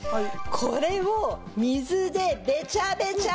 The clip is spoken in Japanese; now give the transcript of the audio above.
これを水でベチャベチャにしまーす！